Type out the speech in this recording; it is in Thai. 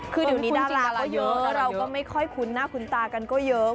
คือเดี๋ยวนี้ดาราก็เยอะแล้วเราก็ไม่ค่อยคุ้นหน้าคุ้นตากันก็เยอะ